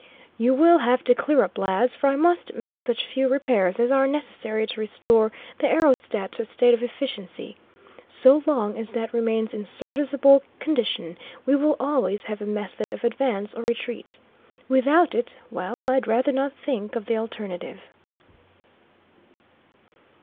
"You will have to clear up, lads, for I must make such few repairs as are necessary to restore the aerostat to a state of efficiency. So long as that remains in serviceable condition, we will always have a method of advance or retreat. Without it well, I'd rather not think of the alternative."